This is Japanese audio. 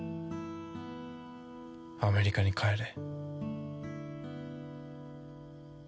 アメリカに帰れ。